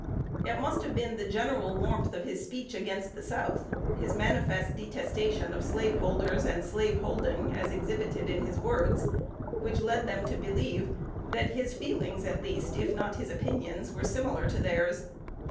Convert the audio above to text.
It must have been the general warmth of his speech against the South, his manifest detestation of slaveholders and slaveholding, as exhibited in his words, which led them to believe that his feelings at least, if not his opinions, were similar to theirs.